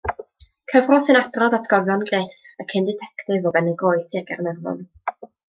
Cyfrol sy'n adrodd atgofion Griff, y cyn ditectif o Benygroes, Sir Gaernarfon.